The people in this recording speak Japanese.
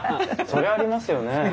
そりゃあありますよね。